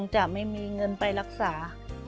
จะไม่มีเงินไปรักษา